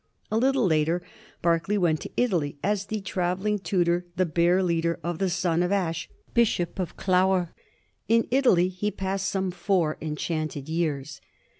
A little later Berkeley went to Italy as the travelling tutor, the bear leader, of the son of Ashe, Bishop of Clogher. In Italy he passed some four enchanted years.